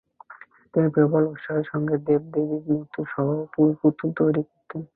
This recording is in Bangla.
তিনি প্রবল উৎসাহের সঙ্গে দেব-দেবীর মূর্তি সহ পুতুল তৈরি করতেন।